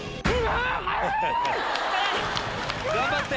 頑張って！